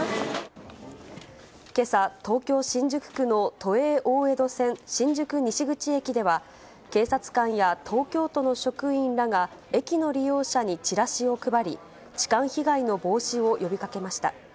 けさ、東京・新宿区の都営大江戸線新宿西口駅では、警察官や東京都の職員らが駅の利用者にチラシを配り、痴漢被害の防止を呼びかけました。